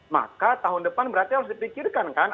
maka tahun depan berarti harus dipikirkan kan